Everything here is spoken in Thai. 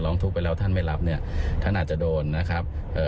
ทุกข์ไปแล้วท่านไม่รับเนี่ยท่านอาจจะโดนนะครับเอ่อ